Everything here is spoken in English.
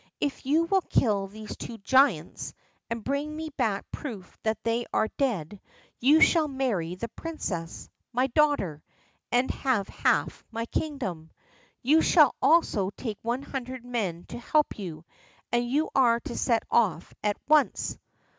If you will kill these two giants, and bring me back proof that they are dead, you shall marry the princess, my daughter, and have half my kingdom. You shall also take one hundred men to help you, and you are to set off at once."